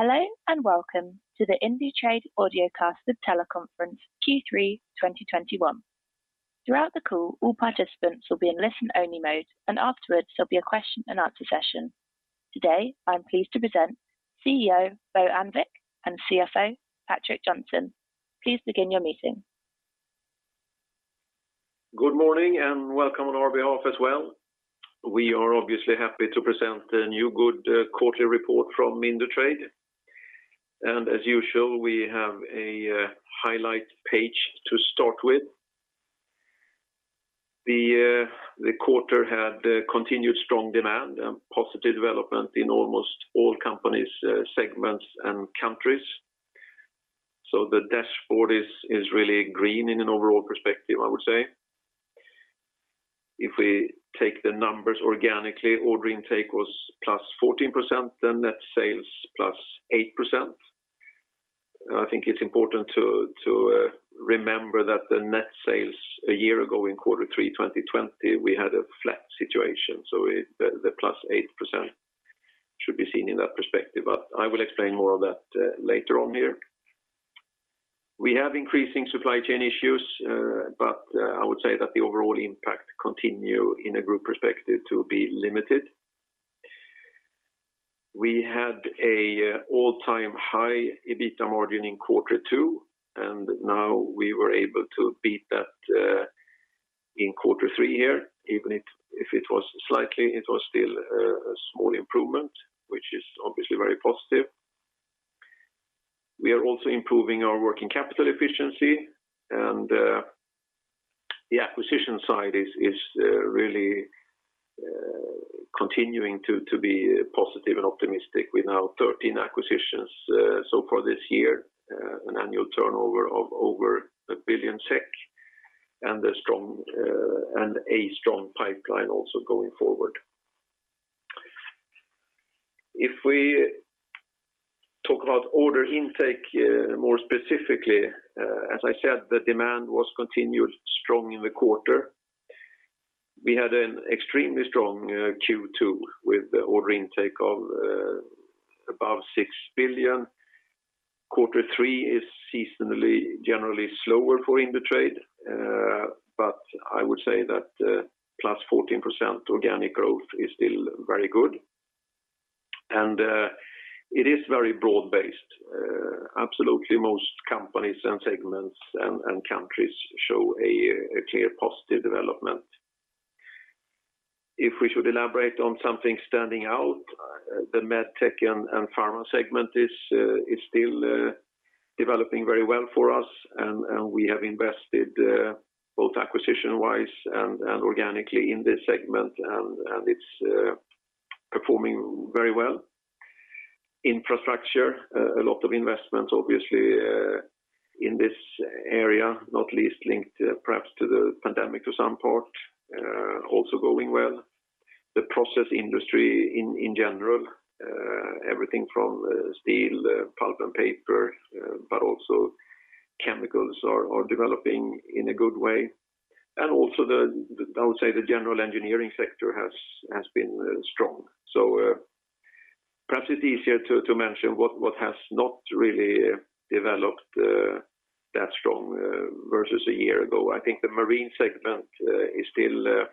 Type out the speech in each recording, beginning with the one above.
Hello and welcome to the Indutrade Audiocasted Teleconference Q3 2021. Throughout the call, all participants will be in listen only mode, and afterwards there'll be a question and answer session. Today, I'm pleased to present CEO Bo Annvik and CFO Patrik Johnson. Please begin your meeting. Good morning and welcome on our behalf as well. We are obviously happy to present the new good quarterly report from Indutrade. As usual, we have a highlight page to start with. The quarter had continued strong demand and positive development in almost all companies, segments, and countries. The dashboard is really green in an overall perspective, I would say. If we take the numbers organically, order intake was +14%, then net sales +8%. I think it's important to remember that the net sales a year ago in quarter 3 2020, we had a flat situation. The +8% should be seen in that perspective. I will explain more on that later on here. We have increasing supply chain issues, but I would say that the overall impact continue in a group perspective to be limited. We had an all-time high EBITA margin in quarter two, and now we were able to beat that in quarter three here. Even if it was slightly, it was still a small improvement, which is obviously very positive. We are also improving our working capital efficiency and the acquisition side is really continuing to be positive and optimistic with now 13 acquisitions so far this year, an annual turnover of over 1 billion SEK, and a strong pipeline also going forward. If we talk about order intake more specifically, as I said, the demand was continued strong in the quarter. We had an extremely strong Q2 with order intake of above 6 billion. Q3 is seasonally generally slower for Indutrade, but I would say that +14% organic growth is still very good. It is very broad-based. Absolutely most companies and segments and countries show a clear positive development. If we should elaborate on something standing out, the MedTech and Pharma segment is still developing very well for us, and we have invested both acquisition-wise and organically in this segment, and it's performing very well. Infrastructure, a lot of investment, obviously, in this area, not least linked perhaps to the pandemic to some part, also going well. The process industry in general, everything from steel, pulp and paper, but also chemicals are developing in a good way. Also I would say the general engineering sector has been strong. Perhaps it's easier to mention what has not really developed that strong versus a year ago. I think the marine segment still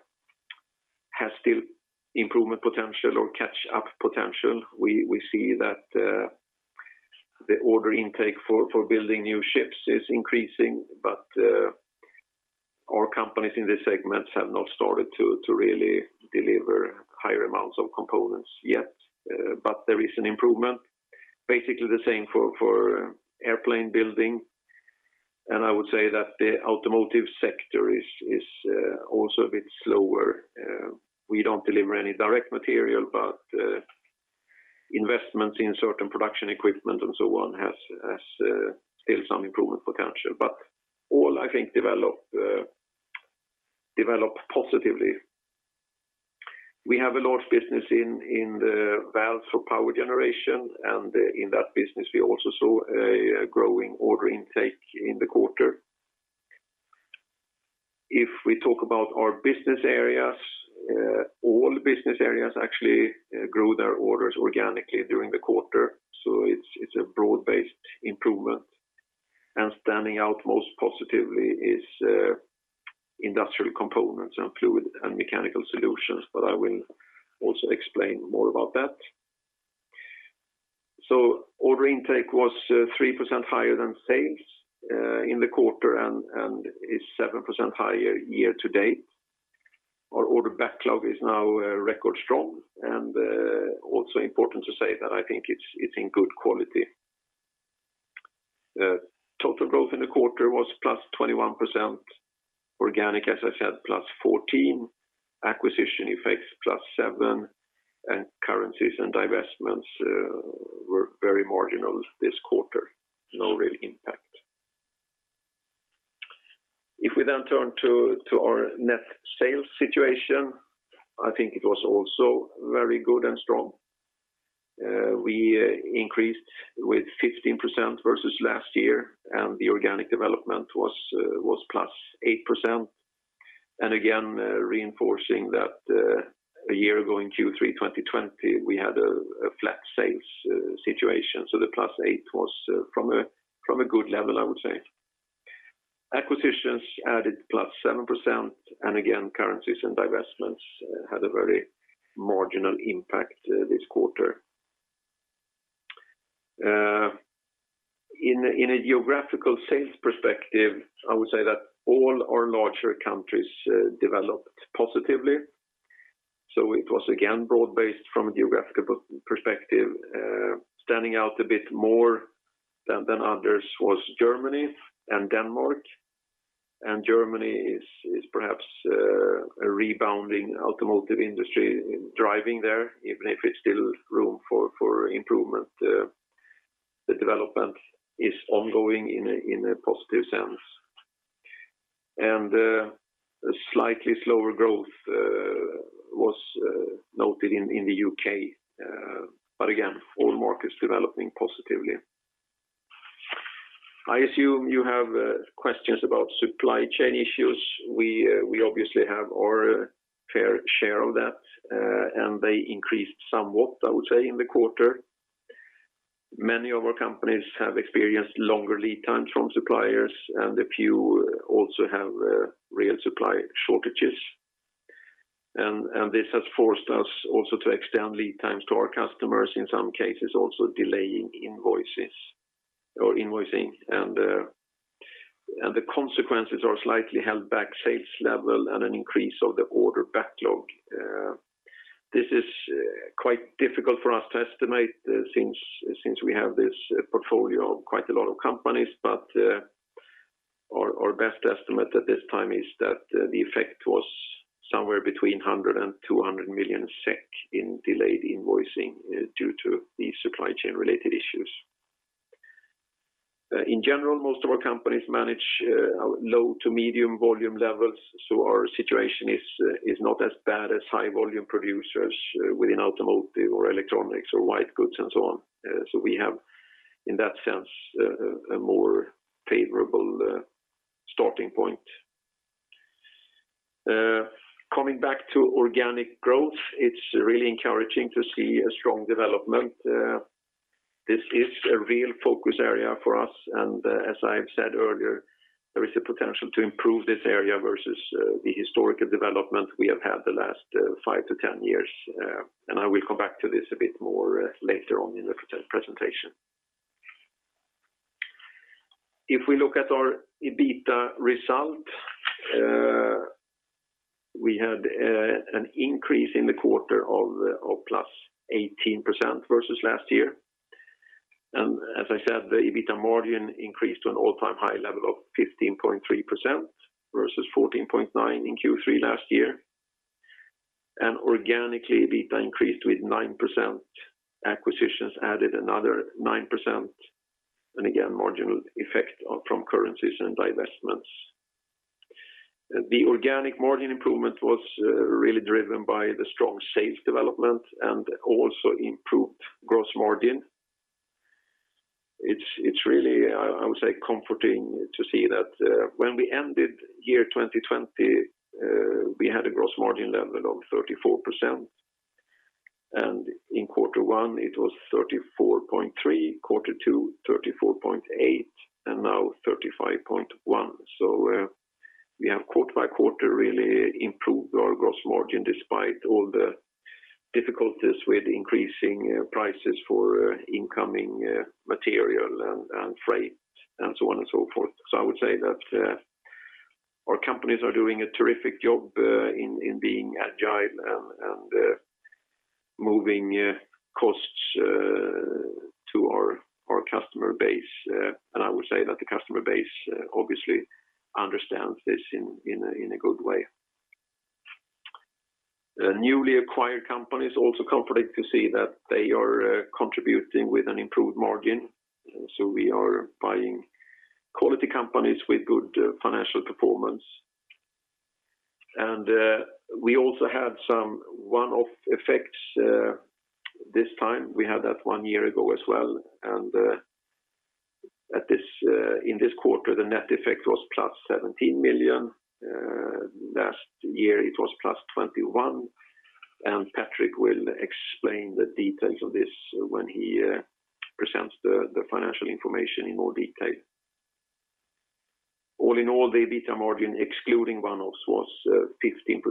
has improvement potential or catch-up potential. We see that the order intake for building new ships is increasing, but our companies in this segment have not started to really deliver higher amounts of components yet. But there is an improvement, basically the same for airplane building. I would say that the automotive sector is also a bit slower. We don't deliver any direct material, but investments in certain production equipment and so on has still some improvement potential. All, I think, develop positively. We have a large business in the valves for power generation, and in that business, we also saw a growing order intake in the quarter. If we talk about our business areas, all business areas actually grew their orders organically during the quarter. It's a broad-based improvement. Standing out most positively is Industrial Components and Fluids & Mechanical Solutions, but I will also explain more about that. Order intake was 3% higher than sales in the quarter and is 7% higher year to date. Our order backlog is now record strong, and also important to say that I think it's in good quality. Total growth in the quarter was +21%. Organic, as I said, +14%. Acquisition effects, +7%. Currencies and divestments were very marginal this quarter. No real impact. If we then turn to our net sales situation, I think it was also very good and strong. We increased with 15% versus last year, and the organic development was +8%. Again, reinforcing that a year ago in Q3 2020, we had a flat sales situation. The +8% was from a good level, I would say. Acquisitions added +7%, and again, currencies and divestments had a very marginal impact this quarter. In a geographical sales perspective, I would say that all our larger countries developed positively. It was again broad-based from a geographical perspective. Standing out a bit more than others was Germany and Denmark. Germany is perhaps a rebounding automotive industry driving there, even if there's still room for improvement, the development is ongoing in a positive sense. A slightly slower growth was noted in the U.K., but again, all markets developing positively. I assume you have questions about supply chain issues. We obviously have our fair share of that, and they increased somewhat, I would say, in the quarter. Many of our companies have experienced longer lead times from suppliers, and a few also have real supply shortages. This has forced us also to extend lead times to our customers, in some cases also delaying invoices or invoicing. The consequences are slightly held back sales level and an increase of the order backlog. This is quite difficult for us to estimate since we have this portfolio of quite a lot of companies. Our best estimate at this time is that the effect was somewhere between 100 million SEK and 200 million SEK in delayed invoicing due to the supply chain-related issues. In general, most of our companies manage low to medium volume levels, so our situation is not as bad as high volume producers within automotive or electronics or white goods and so on. We have, in that sense, a more favorable starting point. Coming back to organic growth, it's really encouraging to see a strong development. This is a real focus area for us, and as I've said earlier, there is a potential to improve this area versus the historical development we have had the last 5-10 years. I will come back to this a bit more later on in the presentation. If we look at our EBITDA result, we had an increase in the quarter of +18% versus last year. As I said, the EBITDA margin increased to an all-time high level of 15.3% versus 14.9% in Q3 last year. Organically, EBITDA increased with 9%. Acquisitions added another 9%, and again, marginal effect from currencies and divestments. The organic margin improvement was really driven by the strong sales development and also improved gross margin. It's really comforting to see that when we ended year 2020 we had a gross margin level of 34%. In quarter one, it was 34.3, quarter two, 34.8, and now 35.1. We have quarter by quarter really improved our gross margin despite all the difficulties with increasing prices for incoming material and freight and so on and so forth. I would say that our companies are doing a terrific job in being agile and moving costs to our customer base. I would say that the customer base obviously understands this in a good way. It's also comforting to see that the newly acquired companies are contributing with an improved margin. We are buying quality companies with good financial performance. We also had some one-off effects this time. We had that one year ago as well. In this quarter, the net effect was +17 million. Last year, it was +21 million. Patrik will explain the details of this when he presents the financial information in more detail. All in all, the EBITDA margin, excluding one-offs, was 15%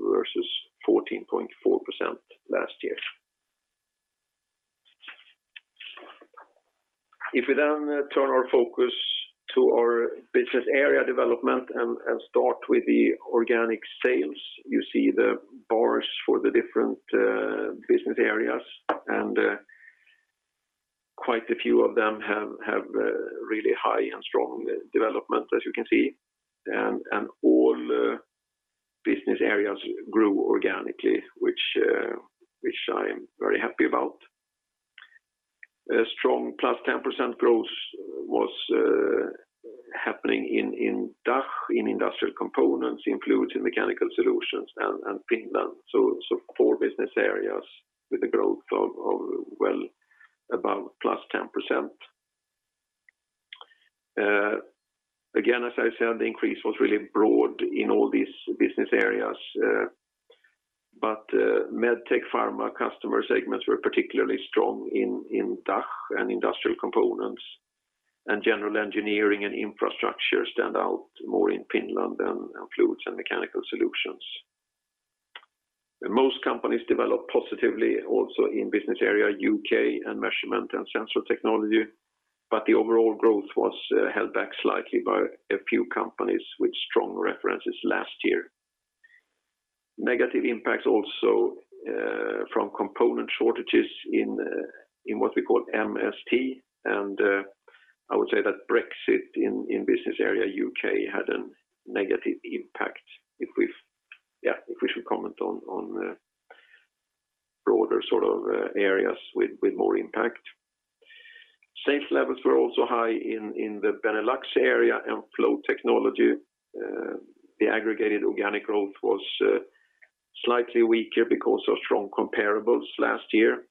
versus 14.4% last year. If we then turn our focus to our business area development and start with the organic sales, you see the bars for the different business areas. Quite a few of them have really high and strong development, as you can see. All business areas grew organically, which I'm very happy about. A strong +10% growth was happening in DACH, in Industrial Components, in Fluids & Mechanical Solutions and Finland. Four business areas with a growth of well above +10%. Again, as I said, the increase was really broad in all these business areas, but MedTech pharma customer segments were particularly strong in DACH and Industrial Components, and general engineering and infrastructure stand out more in Finland than Fluids & Mechanical Solutions. Most companies developed positively also in business area U.K. and Measurement and Sensor Technology, but the overall growth was held back slightly by a few companies with strong references last year. Negative impacts also from component shortages in what we call MST, and I would say that Brexit in business area U.K. had a negative impact if we should comment on broader sort of areas with more impact. Sales levels were also high in the Benelux area and Flow Technology. The aggregated organic growth was slightly weaker because of strong comparables last year.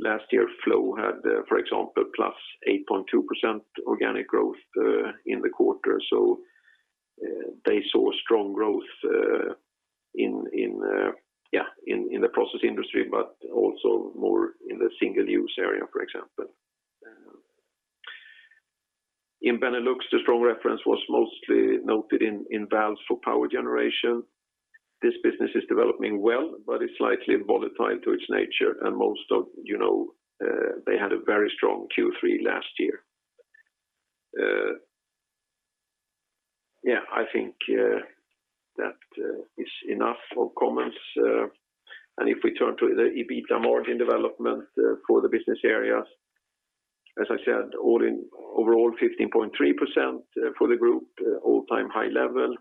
Last year Flow had, for example, +8.2% organic growth in the quarter. They saw strong growth in the process industry, but also more in the single-use area, for example. In Benelux, the strong presence was mostly noted in valves for power generation. This business is developing well, but it's slightly volatile by its nature. Most of you know, they had a very strong Q3 last year. Yeah, I think that is enough for comments. If we turn to the EBITDA margin development for the business areas, as I said, overall 15.3% for the group, all-time high level.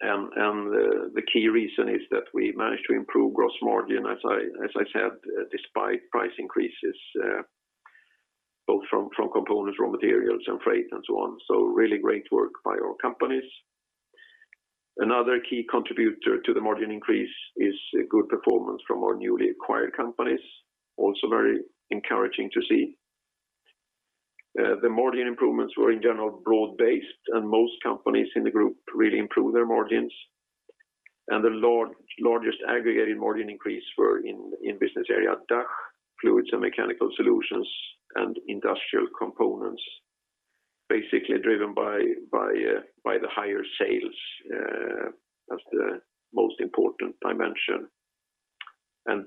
The key reason is that we managed to improve gross margin, as I said, despite price increases both from components, raw materials and freight and so on. Really great work by our companies. Another key contributor to the margin increase is a good performance from our newly acquired companies, also very encouraging to see. The margin improvements were in general broad-based, and most companies in the group really improved their margins. The largest aggregated margin increase were in business area DACH, Fluids & Mechanical Solutions and Industrial Components, basically driven by the higher sales as the most important dimension.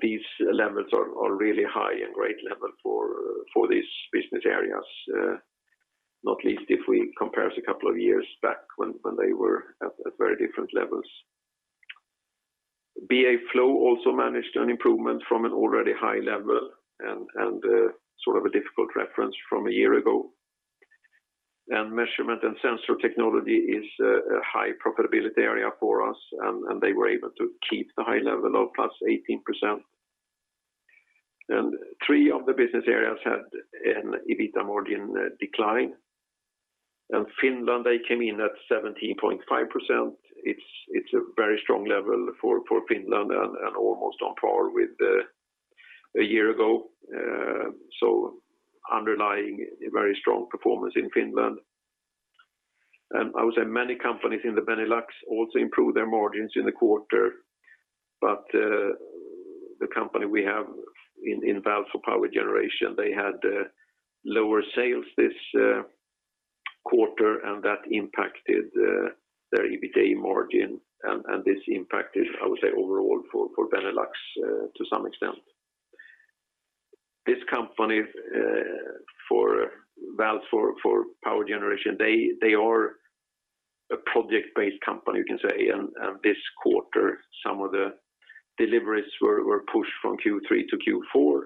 These levels are really high and great level for these business areas, not least if we compare to a couple of years back when they were at very different levels. BA Flow Technology also managed an improvement from an already high level and sort of a difficult reference from a year ago. Measurement & Sensor Technology is a high profitability area for us, and they were able to keep the high level of plus 18%. Three of the business areas had an EBITDA margin decline. Finland, they came in at 17.5%. It's a very strong level for Finland and almost on par with a year ago, underlying a very strong performance in Finland. I would say many companies in the Benelux also improved their margins in the quarter. The company we have in valve for power generation, they had lower sales this quarter, and that impacted their EBITA margin. This impacted, I would say, overall for Benelux to some extent. This company for valve for power generation, they are a project-based company, you can say. This quarter, some of the deliveries were pushed from Q3-Q4.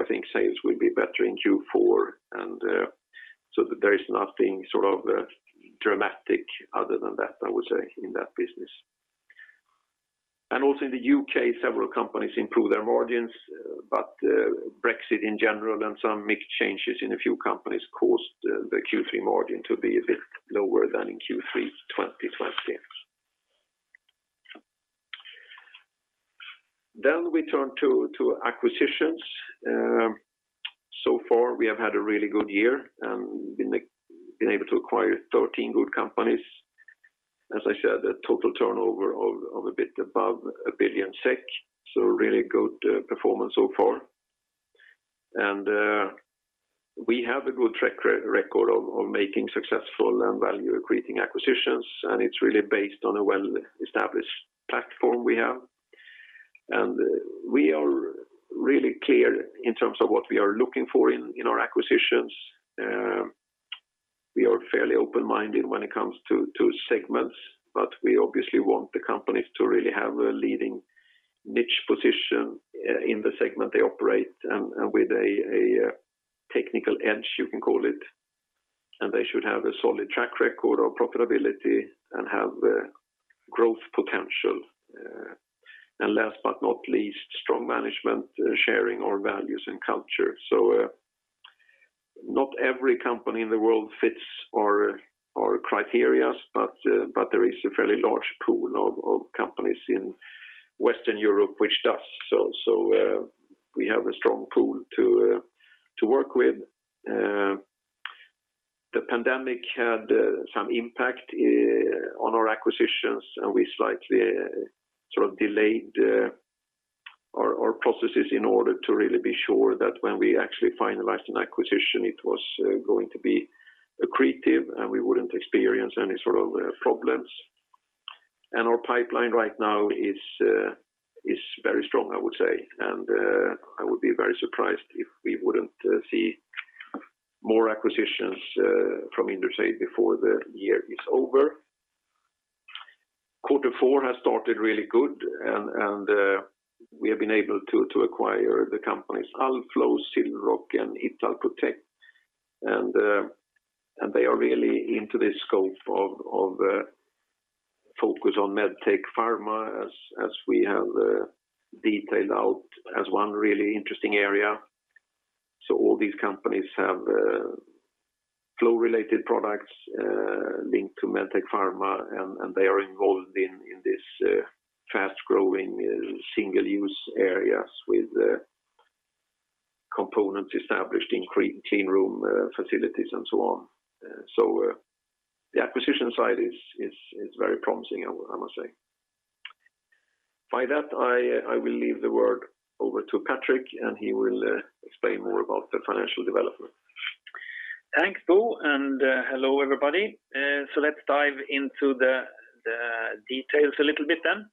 I think sales will be better in Q4. There is nothing sort of dramatic other than that, I would say, in that business. Also in the U.K., several companies improved their margins, but Brexit in general and some mix changes in a few companies caused the Q3 margin to be a bit lower than in Q3 2020. We turn to acquisitions. So far, we have had a really good year and been able to acquire 13 good companies. As I said, a total turnover of a bit above 1 billion SEK, so really good performance so far. We have a good track record of making successful and value-creating acquisitions, and it's really based on a well-established platform we have. We are really clear in terms of what we are looking for in our acquisitions. We are fairly open-minded when it comes to segments, but we obviously want the companies to really have a leading niche position in the segment they operate and with a technical edge, you can call it. They should have a solid track record of profitability and have growth potential. Last but not least, strong management sharing our values and culture. Not every company in the world fits our criteria, but there is a fairly large pool of companies in Western Europe, which does so. We have a strong pool to work with. The pandemic had some impact on our acquisitions, and we slightly sort of delayed our processes in order to really be sure that when we actually finalized an acquisition it was going to be accretive, and we wouldn't experience any sort of problems. Our pipeline right now is very strong, I would say. I would be very surprised if we wouldn't see more acquisitions from Indutrade before the year is over. Quarter four has started really good and we have been able to acquire the companies Allflow, SILROC, and Italprotec. They are really into this scope of focus on MedTech, Pharma as we have detailed out as one really interesting area. All these companies have flow related products linked to MedTech, Pharma and they are involved in this fast-growing single use areas with components established in clean room facilities and so on. The acquisition side is very promising, I must say. With that, I will leave the word over to Patrik, and he will explain more about the financial development. Thanks, Bo. Hello everybody. Let's dive into the details a little bit then.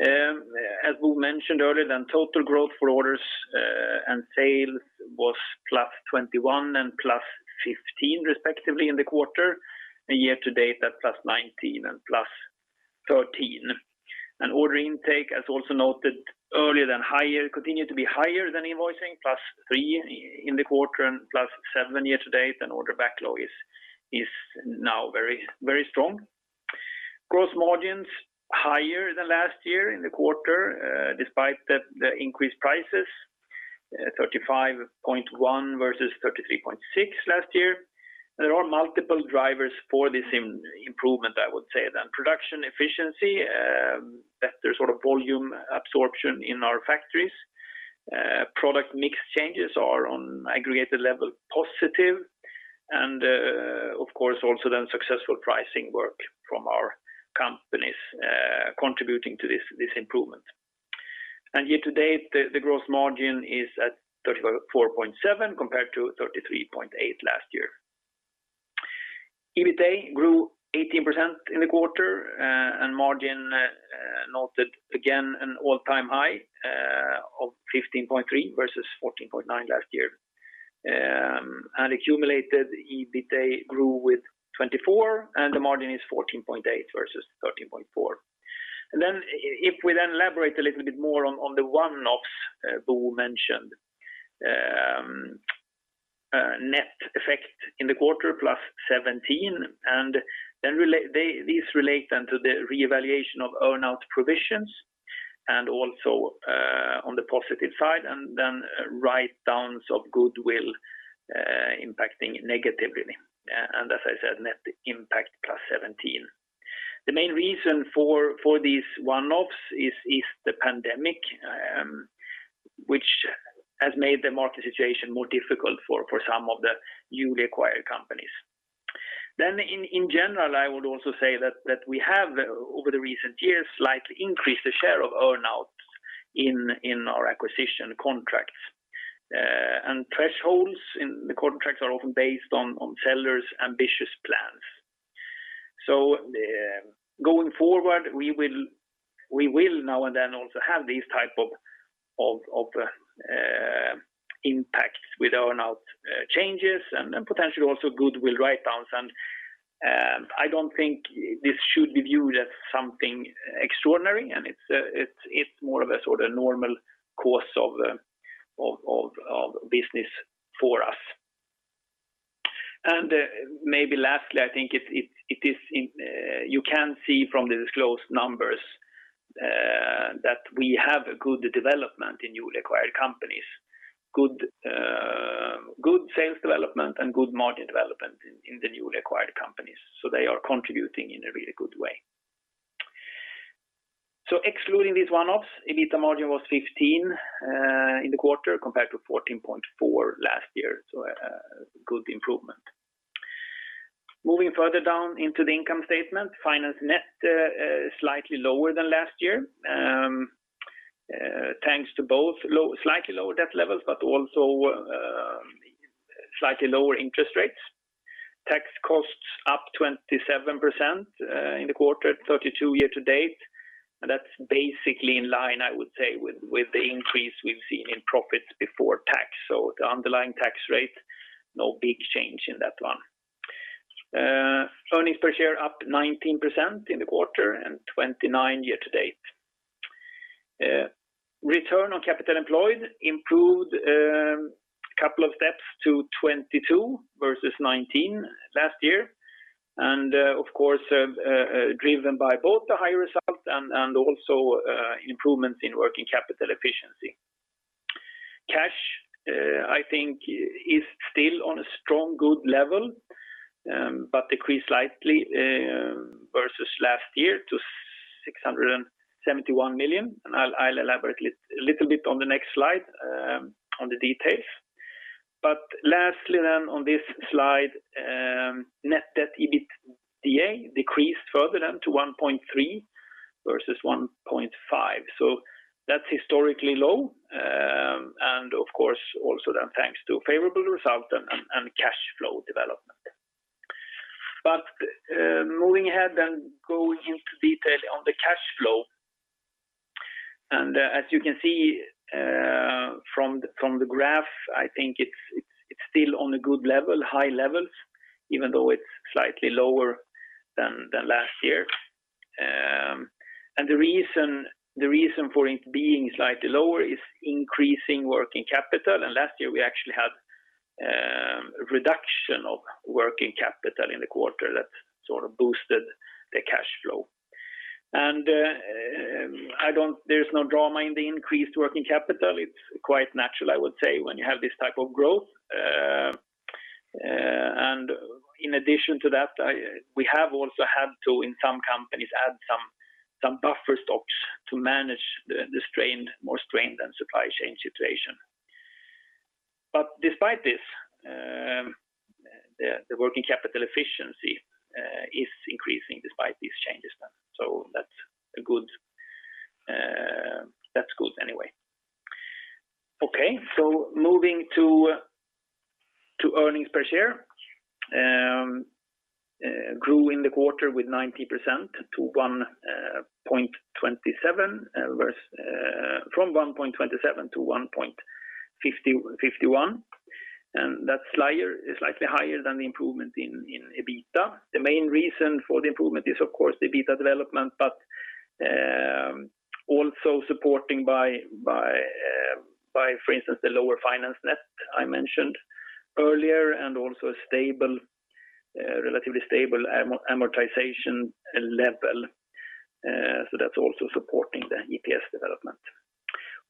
As Bo mentioned earlier, total growth for orders and sales was +21% and +15% respectively in the quarter, and year to date at +19% and +13%. Order intake, as also noted earlier, continued to be higher than invoicing, +3% in the quarter and +7% year to date, and order backlog is now very strong. Gross margins higher than last year in the quarter, despite the increased prices, 35.1% versus 33.6% last year. There are multiple drivers for this improvement, I would say then. Production efficiency, better sort of volume absorption in our factories. Product mix changes are on aggregate level positive and, of course also then successful pricing work from our companies, contributing to this improvement. Year to date, the gross margin is at 34.7% compared to 33.8% last year. EBITA grew 18% in the quarter, and margin noted again an all-time high of 15.3% versus 14.9% last year. Accumulated EBITA grew with 24%, and the margin is 14.8% versus 13.4%. If we then elaborate a little bit more on the one-offs Bo mentioned, net effect in the quarter +17, and these relate then to the revaluation of earn-out provisions and also on the positive side, and then write-downs of goodwill impacting negatively. As I said, net impact +17. The main reason for these one-offs is the pandemic, which has made the market situation more difficult for some of the newly acquired companies. In general, I would also say that we have over the recent years slightly increased the share of earn-outs in our acquisition contracts. Thresholds in the contracts are often based on sellers' ambitious plans. Going forward, we will now and then also have these type of impacts with earn-out changes and potentially also goodwill write-downs. I don't think this should be viewed as something extraordinary, and it's more of a sort of normal course of business for us. Maybe lastly, I think it is in, you can see from the disclosed numbers that we have a good development in newly acquired companies. Good sales development and good margin development in the newly acquired companies. They are contributing in a really good way. Excluding these one-offs, EBITDA margin was 15% in the quarter compared to 14.4% last year. A good improvement. Moving further down into the income statement, finance net slightly lower than last year, thanks to both slightly lower debt levels, but also slightly lower interest rates. Tax costs up 27% in the quarter, 32% year to date. That's basically in line, I would say, with the increase we've seen in profits before tax. The underlying tax rate, no big change in that one. Earnings per share up 19% in the quarter and 29% year to date. Return on capital employed improved a couple of steps to 22% versus 19% last year. Of course, driven by both the high results and also improvements in working capital efficiency. Cash, I think, is still on a strong, good level but decreased slightly versus last year to 671 million. I'll elaborate a little bit on the next slide on the details. Lastly then on this slide, net debt/EBITDA decreased further to 1.3 versus 1.5. That's historically low. Of course, also then thanks to favorable result and cash flow development. Moving ahead then going into detail on the cash flow. As you can see from the graph, I think it's still on a good level, high levels, even though it's slightly lower than last year. The reason for it being slightly lower is increasing working capital. Last year, we actually had a reduction of working capital in the quarter that sort of boosted the cash flow. There's no drama in the increased working capital. It's quite natural, I would say, when you have this type of growth. In addition to that, we have also had to, in some companies, add some buffer stocks to manage the more strained supply chain situation. Despite this, the working capital efficiency is increasing despite these changes then. That's good anyway. Okay. Moving to earnings per share, grew in the quarter with 90% to 1.27 versus from 1.27-1.51. That slide is slightly higher than the improvement in EBITDA. The main reason for the improvement is, of course, the EBITDA development, but also supported by, for instance, the lower finance net I mentioned earlier, and also a relatively stable amortization level. That's also supporting the EPS development.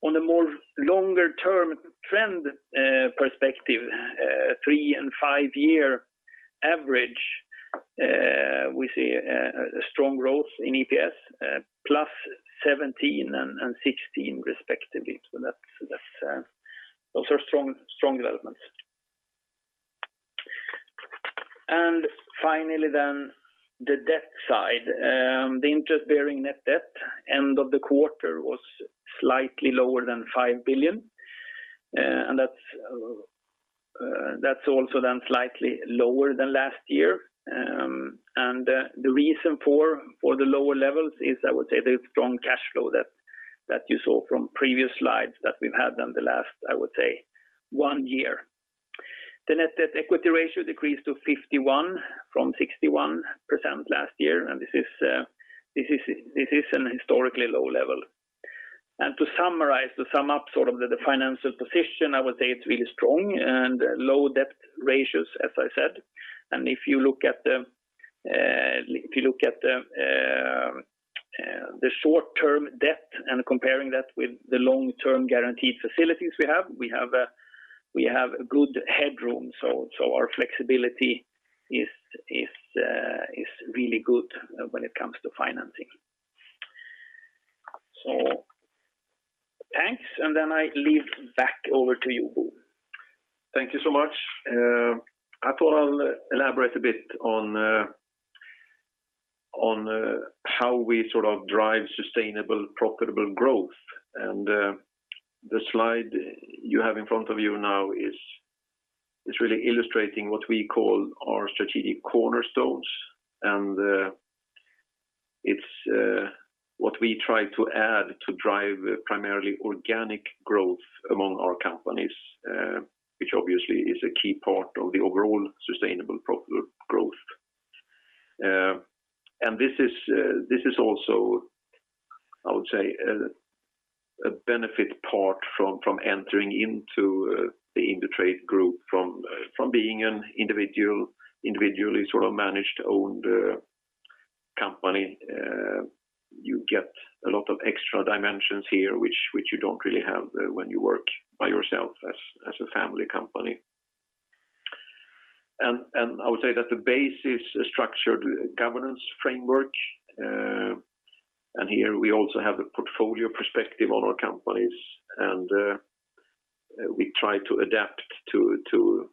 On a more longer-term trend perspective, three- and five-year average, we see a strong growth in EPS, +17% and +16% respectively. Those are strong developments. Finally, the debt side. The interest-bearing net debt end of the quarter was slightly lower than 5 billion. That's also slightly lower than last year. The reason for the lower levels is, I would say, the strong cash flow that you saw from previous slides that we've had in the last, I would say, one year. The net debt equity ratio decreased to 51% from 61% last year. This is a historically low level. To summarize, to sum up sort of the financial position, I would say it's really strong and low debt ratios, as I said. If you look at the short-term debt and comparing that with the long-term guaranteed facilities we have, we have a good headroom. Our flexibility is really good when it comes to financing. Thanks. I leave back over to you, Bo. Thank you so much. I thought I'll elaborate a bit on how we sort of drive sustainable, profitable growth. The slide you have in front of you now is really illustrating what we call our strategic cornerstones. It's what we try to add to drive primarily organic growth among our companies, which obviously is a key part of the overall sustainable profitable growth. This is also, I would say, a benefit part from entering into the Indutrade group from being individually sort of managed, owned company. You get a lot of extra dimensions here, which you don't really have when you work by yourself as a family company. I would say that the base is a structured governance framework. Here we also have a portfolio perspective on our companies, and we try to adapt to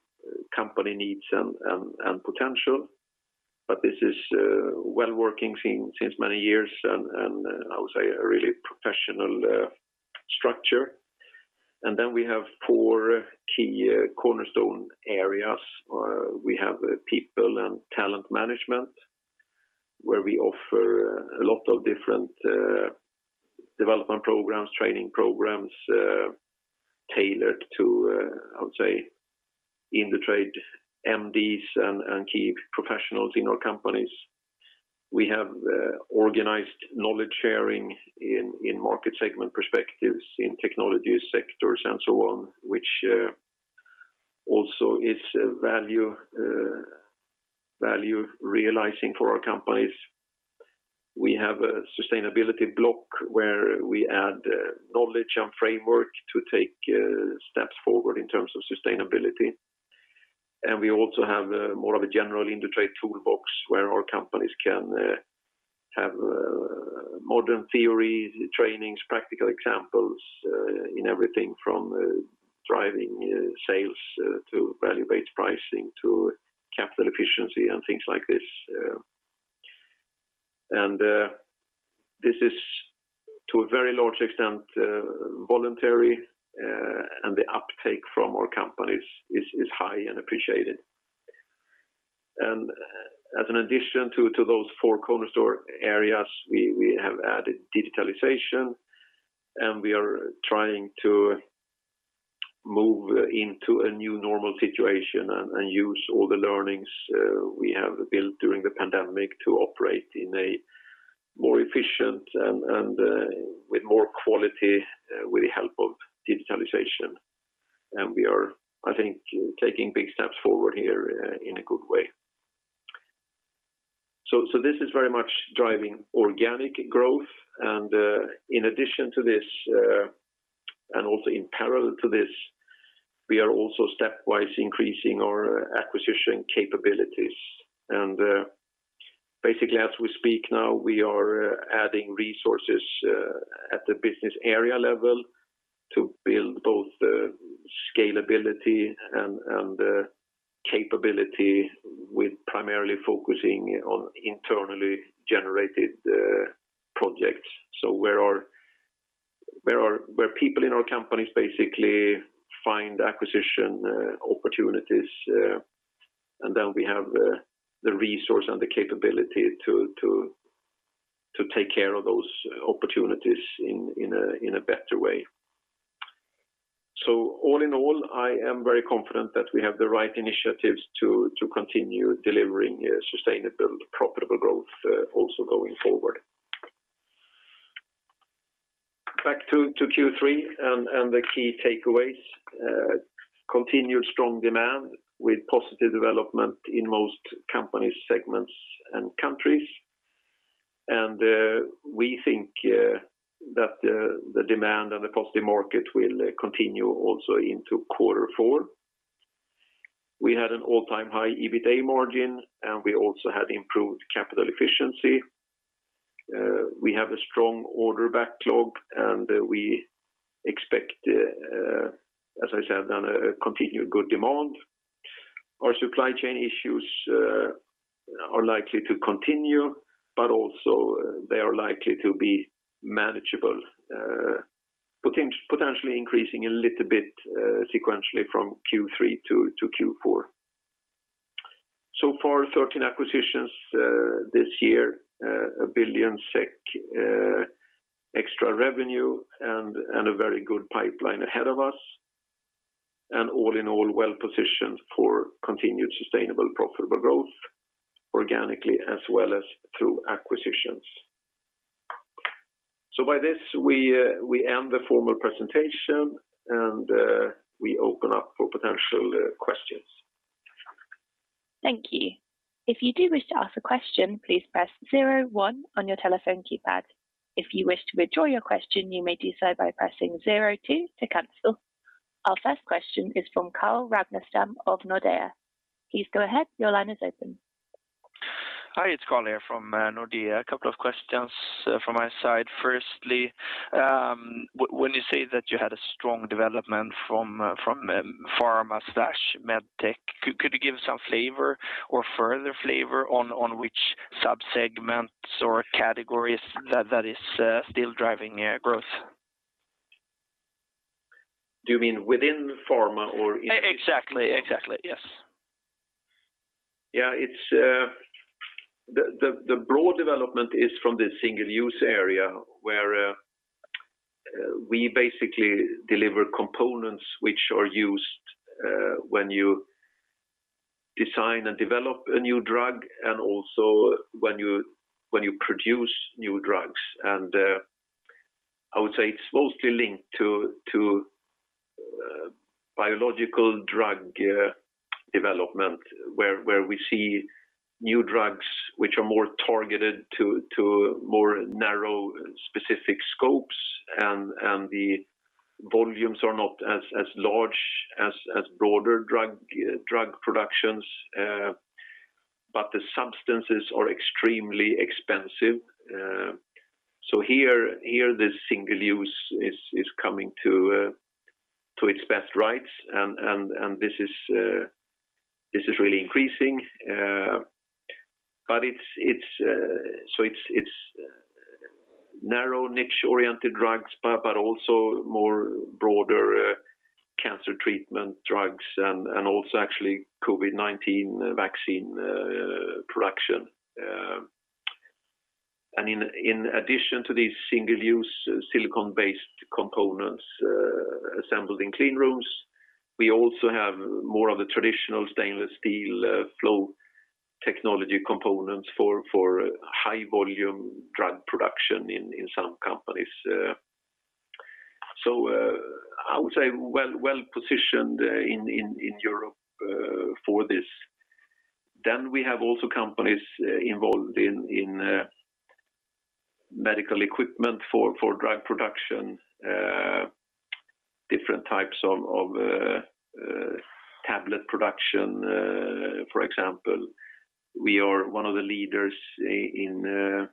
company needs and potential. This is well working since many years and I would say a really professional structure. Then we have four key cornerstone areas. We have people and talent management, where we offer a lot of different development programs, training programs, tailored to, I would say, Indutrade MDs and key professionals in our companies. We have organized knowledge sharing in market segment perspectives, in technology sectors and so on, which also is a value realizing for our companies. We have a sustainability block where we add knowledge and framework to take steps forward in terms of sustainability. We also have more of a general Indutrade toolbox where our companies can have modern theories, trainings, practical examples in everything from driving sales to value-based pricing to capital efficiency and things like this. This is to a very large extent voluntary, and the uptake from our companies is high and appreciated. As an addition to those four cornerstone areas, we have added digitalization, and we are trying to move into a new normal situation and use all the learnings we have built during the pandemic to operate in a more efficient and with more quality with the help of digitalization. We are, I think, taking big steps forward here in a good way. This is very much driving organic growth. In addition to this, and also in parallel to this, we are also stepwise increasing our acquisition capabilities. Basically, as we speak now, we are adding resources at the business area level to build both scalability and capability with primarily focusing on internally generated projects. Where people in our companies basically find acquisition opportunities, and then we have the resource and the capability to take care of those opportunities in a better way. All in all, I am very confident that we have the right initiatives to continue delivering sustainable profitable growth also going forward. Back to Q3 and the key takeaways, continued strong demand with positive development in most companies, segments, and countries. We think that the demand and the positive market will continue also into quarter four. We had an all-time high EBITA margin, and we also had improved capital efficiency. We have a strong order backlog, and we expect, as I said, a continued good demand. Our supply chain issues are likely to continue, but also they are likely to be manageable, potentially increasing a little bit sequentially from Q3-Q4. So far, 13 acquisitions this year, 1 billion SEK extra revenue, and a very good pipeline ahead of us. All in all, well-positioned for continued sustainable profitable growth organically as well as through acquisitions. By this, we end the formal presentation, and we open up for potential questions. Thank you. If you wish to ask question, please press zero one on your telephone keypad, if you wish to withdraw your question, you may do this by pressing zero two to cancel. Our first question is from Carl Ragnerstam of Nordea. Please go ahead. Your line is open. Hi, it's Carl here from Nordea. A couple of questions from my side. Firstly, when you say that you had a strong development from pharma/med tech, could you give some flavor or further flavor on which subsegments or categories that is still driving growth? Do you mean within pharma or Exactly, yes. Yeah, the broad development is from the single-use area where we basically deliver components which are used when you design and develop a new drug and also when you produce new drugs. I would say it's mostly linked to biological drug development where we see new drugs which are more targeted to more narrow specific scopes and the volumes are not as large as broader drug productions, but the substances are extremely expensive. Here, the single use is coming to its best rights, and this is really increasing. It's narrow niche-oriented drugs, but also more broader cancer treatment drugs and also actually COVID-19 vaccine production. In addition to these single-use silicone-based components assembled in clean rooms, we also have more of the traditional stainless steel Flow Technology components for high volume drug production in some companies. I would say well positioned in Europe for this. We have also companies involved in medical equipment for drug production, different types of tablet production, for example. We are one of the leaders in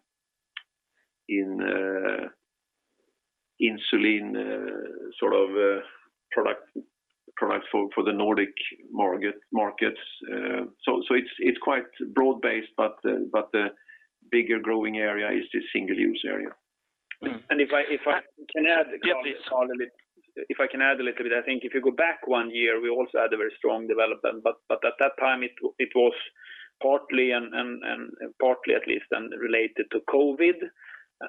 insulin sort of product for the Nordic markets. It's quite broad-based, but the bigger growing area is the single-use area. If I can add. Yes, please. Carl, a little. If I can add a little bit, I think if you go back one year, we also had a very strong development. At that time, it was partly and partly at least related to COVID.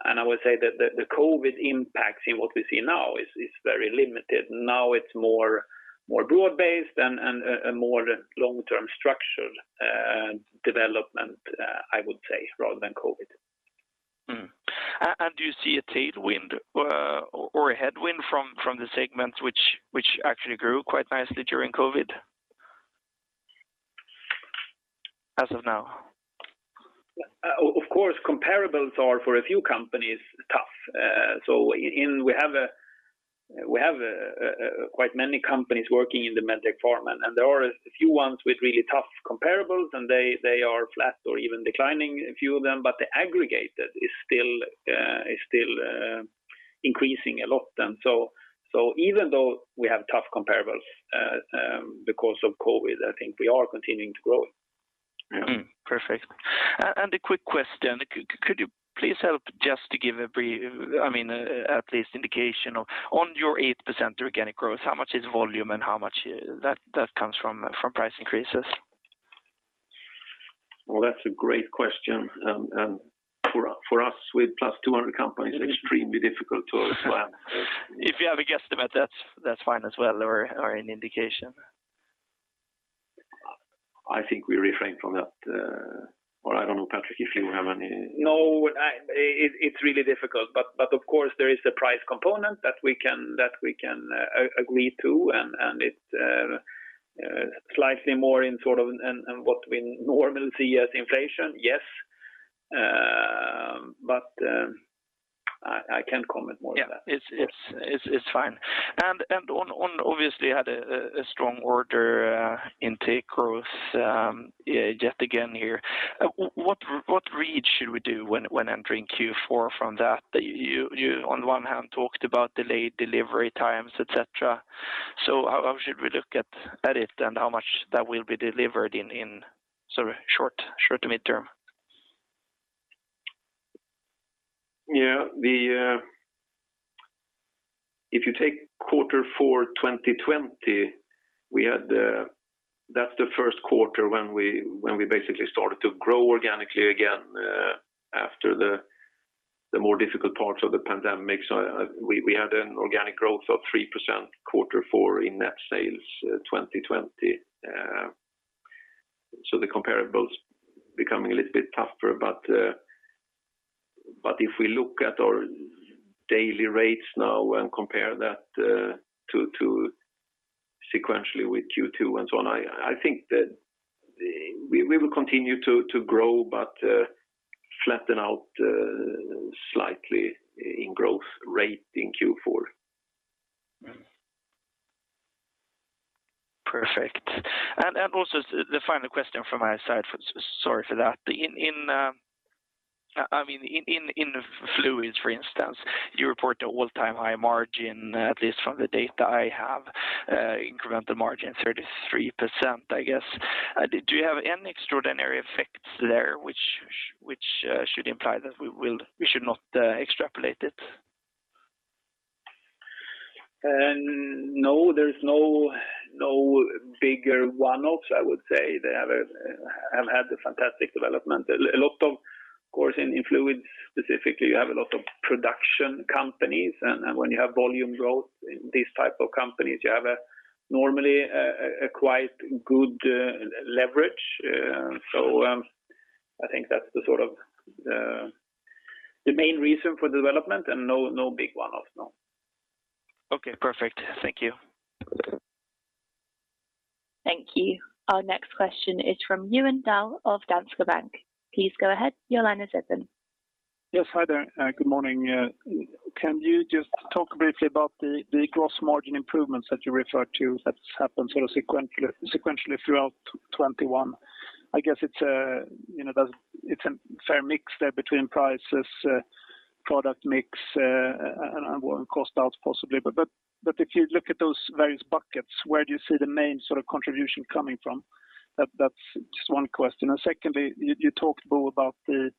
I would say that the COVID impact in what we see now is very limited. Now it's more broad-based and a more long-term structured development, I would say, rather than COVID. Do you see a tailwind or a headwind from the segments which actually grew quite nicely during COVID? As of now. Of course, comparables are, for a few companies, tough. We have quite many companies working in the MedTech, Pharma, and there are a few ones with really tough comparables, and they are flat or even declining, a few of them, but the aggregate is still increasing a lot. Even though we have tough comparables, because of COVID, I think we are continuing to grow. Perfect. A quick question. Could you please help just to give a brief. I mean, at least indication of on your 8% organic growth, how much is volume and how much that comes from price increases? Well, that's a great question. For us with plus 200 companies, extremely difficult to explain. If you have a guesstimate, that's fine as well or any indication. I think we refrain from that. I don't know, Patrik, if you have any? No, it's really difficult, but of course, there is a price component that we can agree to, and it's slightly more than what we normally see as inflation, yes. I can't comment more on that. Yeah. It's fine. On obviously, you had a strong order intake growth yet again here. What read should we do when entering Q4 from that? You on one hand talked about delayed delivery times, et cetera. How should we look at it and how much that will be delivered in sort of short to mid-term? If you take quarter four 2020, that's the first quarter when we basically started to grow organically again after the more difficult parts of the pandemic. We had an organic growth of 3% quarter four in net sales 2020. The comparables becoming a little bit tougher. If we look at our daily rates now and compare that sequentially with Q2 and so on, I think that we will continue to grow but flatten out slightly in growth rate in Q4. Perfect. Also the final question from my side, sorry for that. I mean, in Fluids, for instance, you report an all-time high margin, at least from the data I have, incremental margin 33%, I guess. Do you have any extraordinary effects there which should imply that we should not extrapolate it? No, there is no bigger one-offs, I would say. They have had a fantastic development. A lot of course, in fluids specifically, you have a lot of production companies. When you have volume growth in these type of companies, you have normally a quite good leverage. I think that's the sort of the main reason for the development and no big one-offs, no. Okay, perfect. Thank you. Thank you. Our next question is from Johan Dahl of Danske Bank. Please go ahead. Your line is open. Yes. Hi there. Good morning. Can you just talk briefly about the gross margin improvements that you referred to that's happened sort of sequentially throughout 2021? I guess it's you know it's a fair mix there between prices, product mix, and cost out possibly. If you look at those various buckets, where do you see the main sort of contribution coming from? That's just one question. Secondly, you talked, Bo, about the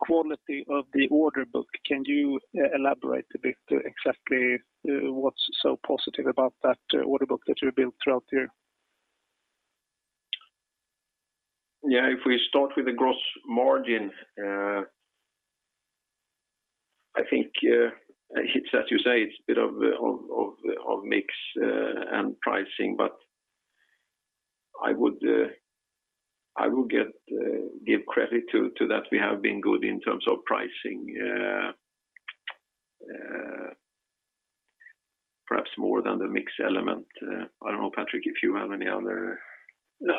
quality of the order book. Can you elaborate a bit to exactly what's so positive about that order book that you built throughout the year? Yeah. If we start with the gross margin, I think it's as you say, it's a bit of mix and pricing, but I would give credit to that we have been good in terms of pricing, perhaps more than the mix element. I don't know, Patrik, if you have any other? No,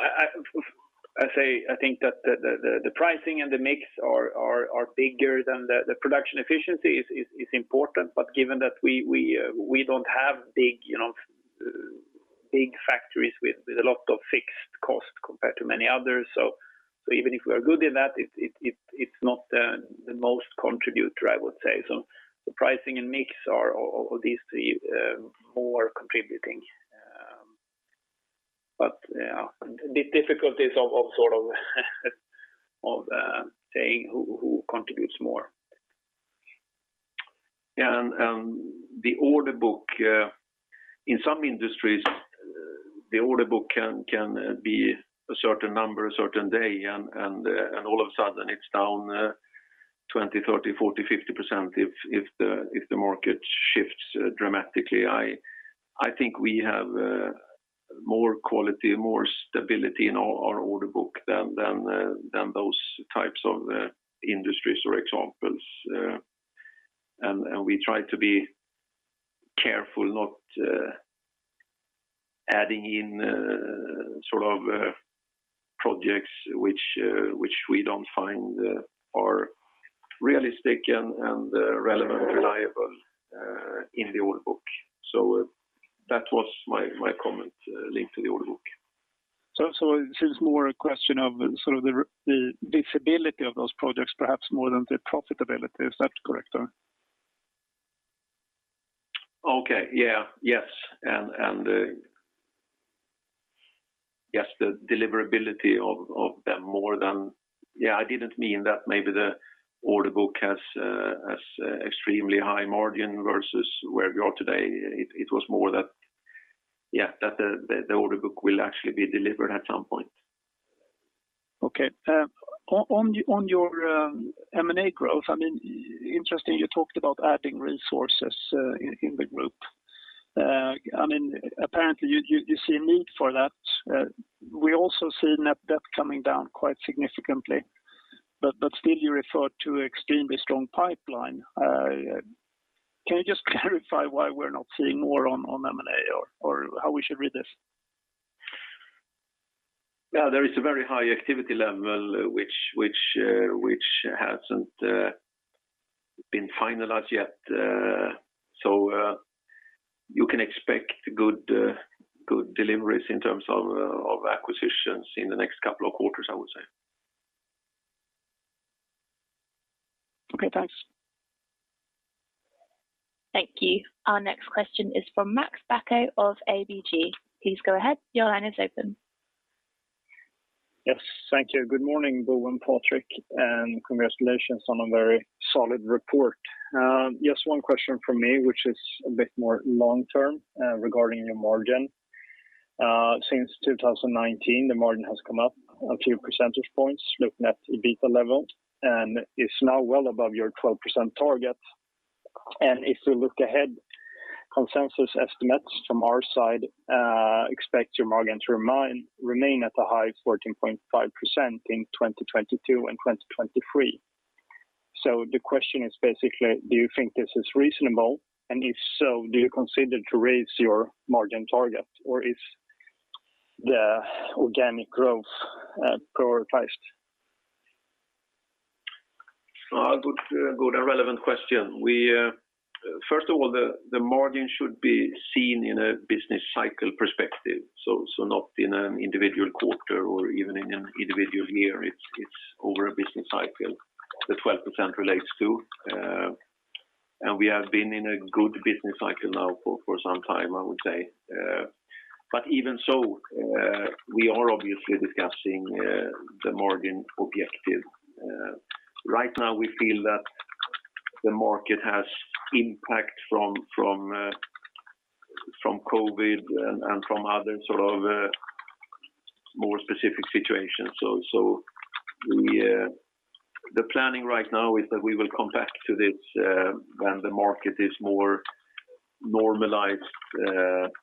I say I think that the pricing and the mix are bigger than the production efficiency is important, but given that we don't have big, you know, big factories with a lot of fixed cost compared to many others. Even if we are good in that, it's not the most contributor, I would say. The pricing and mix are of these three more contributing. But yeah, the difficulties of sort of saying who contributes more. The order book in some industries, the order book can be a certain number a certain day and all of a sudden it's down 20%, 30%, 40%, 50% if the market shifts dramatically. I think we have more quality, more stability in our order book than those types of industries or examples. We try to be careful not adding in sort of projects which we don't find are realistic and relevant, reliable in the order book. That was my comment linked to the order book. It seems more a question of sort of the viability of those projects perhaps more than the profitability. Is that correct or? Okay. Yeah. Yes. The deliverability of them more than. Yeah, I didn't mean that maybe the order book has extremely high margin versus where we are today. It was more that, yeah, the order book will actually be delivered at some point. Okay. On your M&A growth, I mean, interesting you talked about adding resources in the group. I mean, apparently you see a need for that. We also see net debt coming down quite significantly, but still you refer to extremely strong pipeline. Can you just clarify why we're not seeing more on M&A or how we should read this? Yeah, there is a very high activity level which hasn't been finalized yet. So, you can expect good deliveries in terms of of acquisitions in the next couple of quarters, I would say. Okay, thanks. Thank you. Our next question is from Max Bacco of ABG Sundal Collier. Please go ahead. Your line is open. Yes. Thank you. Good morning, Bo and Patrik, and congratulations on a very solid report. Just one question from me, which is a bit more long-term, regarding your margin. Since 2019, the margin has come up a few percentage points looking at EBITDA level, and it's now well above your 12% target. If you look ahead, consensus estimates from our side expect your margin to remain at the high 14.5% in 2022 and 2023. The question is basically, do you think this is reasonable? And if so, do you consider to raise your margin target or is the organic growth prioritized? Good and relevant question. First of all, the margin should be seen in a business cycle perspective, so not in an individual quarter or even in an individual year. It's over a business cycle the 12% relates to. We have been in a good business cycle now for some time, I would say. Even so, we are obviously discussing the margin objective. Right now we feel that the market has impact from COVID and from other sort of more specific situations. The planning right now is that we will come back to this when the market is more normalized,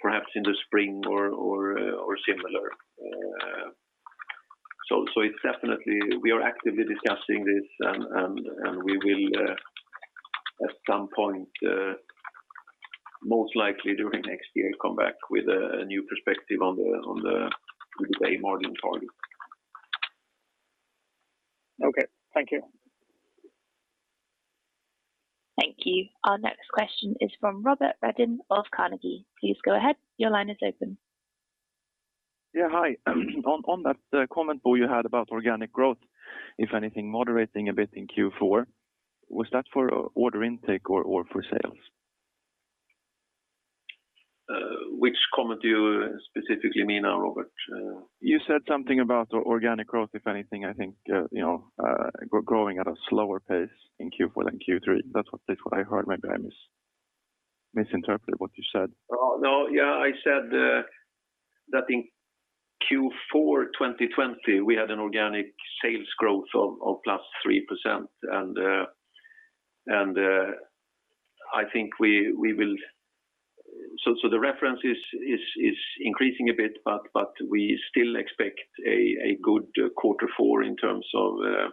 perhaps in the spring or similar. It's definitely we are actively discussing this and we will at some point most likely during next year come back with a new perspective on the, we could say, margin target. Okay, thank you. Thank you. Our next question is from Robert Redin of DNB Carnegie. Please go ahead. Your line is open. Yeah. Hi. On that comment, Bo, you had about organic growth, if anything moderating a bit in Q4, was that for order intake or for sales? Which comment do you specifically mean now, Robert? You said something about organic growth, if anything, I think, you know, growing at a slower pace in Q4 than Q3. That's what I heard. Maybe I misinterpreted what you said. Oh, no. Yeah, I said that in Q4 2020, we had an organic sales growth of +3%. The reference is increasing a bit, but we still expect a good quarter four in terms of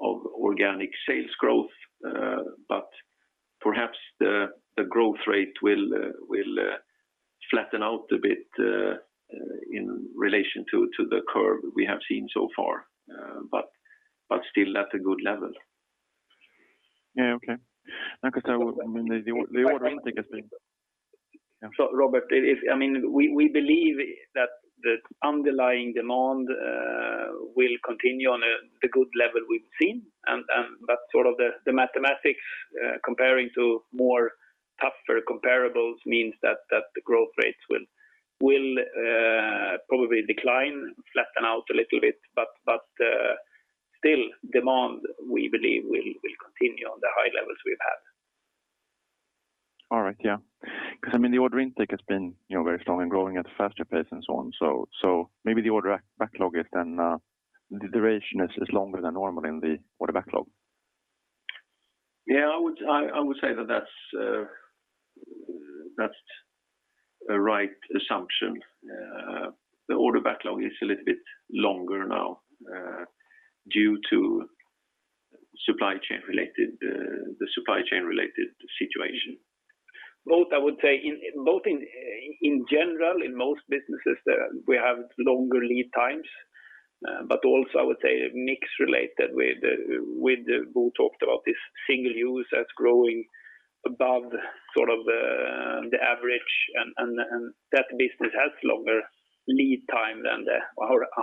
organic sales growth. But perhaps the growth rate will flatten out a bit in relation to the curve we have seen so far. But still at a good level. Yeah. Okay. Because I would. I think. The order intake has been. Yeah. Robert, I mean, we believe that the underlying demand will continue on the good level we've seen and that's sort of the mathematics comparing to more tougher comparables means that the growth rates will probably decline, flatten out a little bit. Still, demand we believe will continue on the high levels we've had. All right. Yeah, because I mean, the order intake has been, you know, very strong and growing at a faster pace and so on. Maybe the order backlog is then, the duration is longer than normal in the order backlog. Yeah, I would say that that's a right assumption. The order backlog is a little bit longer now due to the supply chain-related situation. Both in general, in most businesses that we have longer lead times. But also mix-related with what Bo talked about, this single-use that's growing above sort of the average and that business has longer lead time than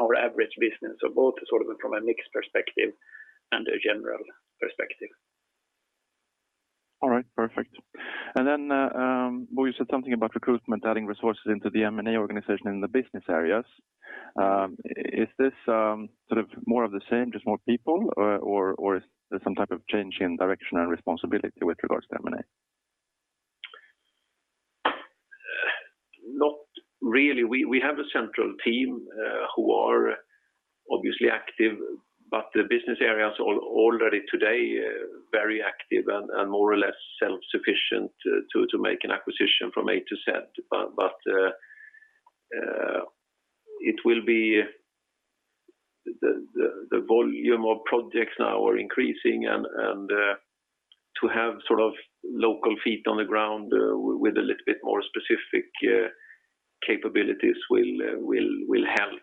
our average business. Both sort of from a mix perspective and a general perspective. All right, perfect. Bo, you said something about recruitment, adding resources into the M&A organization in the business areas. Is this sort of more of the same, just more people or is there some type of change in direction and responsibility with regards to M&A? Not really. We have a central team who are obviously active, but the business areas are already today very active and more or less self-sufficient to make an acquisition from A-Z. It will be the volume of projects now are increasing, and to have sort of local feet on the ground with a little bit more specific capabilities will help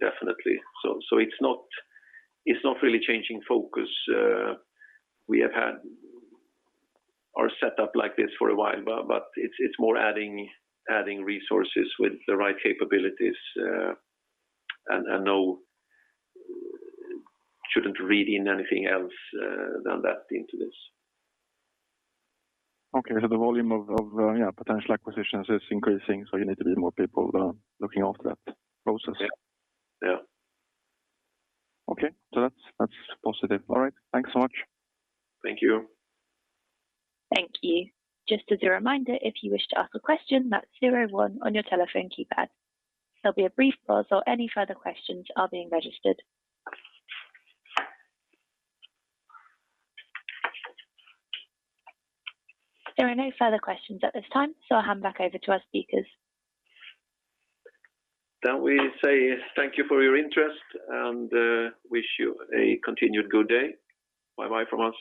definitely. It's not really changing focus. We have had our setup like this for a while, but it's more adding resources with the right capabilities, and shouldn't read in anything else than that into this. The volume of potential acquisitions is increasing, so you need a bit more people looking after that process. Yeah. Yeah. Okay. That's positive. All right. Thanks so much. Thank you. Thank you. Just as a reminder, if you wish to ask a question, that's zero one on your telephone keypad. There'll be a brief pause while any further questions are being registered. There are no further questions at this time, so I'll hand back over to our speakers. We say thank you for your interest and wish you a continued good day. Bye bye from us.